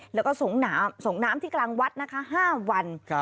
แล้วก็ส่งน้ำที่กลางวัดนะคะ๕วัน